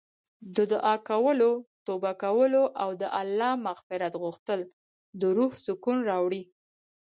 د دعا کولو، توبه کولو او د الله مغفرت غوښتل د روح سکون راوړي.